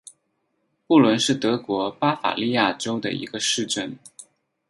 布伦是德国巴伐利亚州的一个市镇。